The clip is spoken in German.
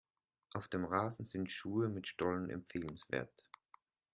Auf dem Rasen sind Schuhe mit Stollen empfehlenswert.